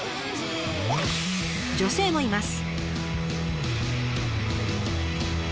女性もいます。